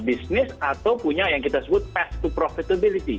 bisnis atau punya yang kita sebut face to profitability